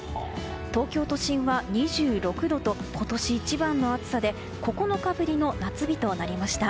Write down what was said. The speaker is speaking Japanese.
東京都心は２６度と今年一番の暑さで９日ぶりの夏日となりました。